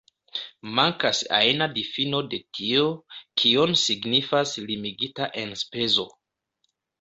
Mankas ajna difino de tio, kion signifas limigita enspezo.